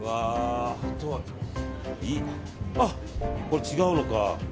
あ、これ違うのか。